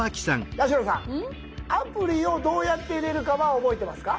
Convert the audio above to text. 八代さんアプリをどうやって入れるかは覚えてますか？